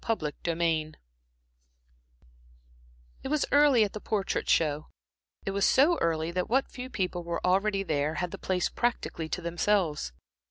Chapter XVII It was early at the Portrait Show. It was so early that what few people were already there had the place practically to themselves.